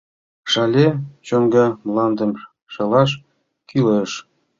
— Шале чоҥга мландым шелаш кӱлеш!